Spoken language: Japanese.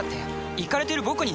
イカれてる僕に？